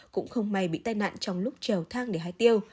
cũng không may bị tai nạn trong lúc trèo thang để hái tiêu